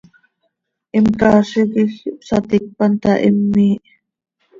Him caazi quij ihpsaticpan taa, him miih.